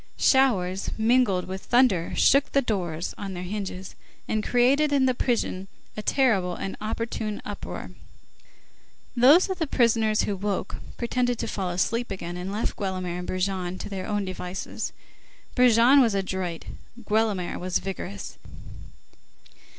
Showers mingled with thunder shook the doors on their hinges, and created in the prison a terrible and opportune uproar. Those of the prisoners who woke, pretended to fall asleep again, and left Guelemer and Brujon to their own devices. Brujon was adroit; Guelemer was vigorous.